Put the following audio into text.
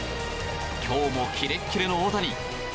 今日もキレッキレの大谷。